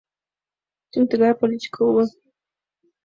Чын, тыгай политика уло.